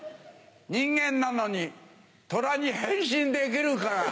人間なのにトラに変身できるから。